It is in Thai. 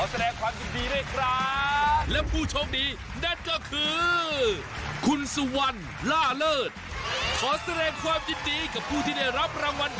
ขอแสดงความยิ่งดีกับผู้ที่ได้รับรางวัลครับ